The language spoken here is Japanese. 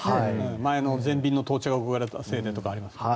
前の前便の到着が遅れたせいでとかありますよね。